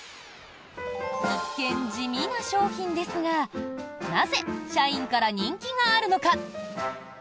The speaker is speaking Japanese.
一見、地味な商品ですがなぜ社員から人気があるのか？